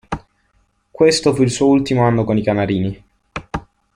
Questo fu il suo ultimo anno con i canarini.